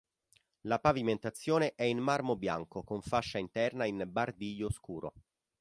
La pavimentazione è in marmo bianco con fascia interna in bardiglio scuro.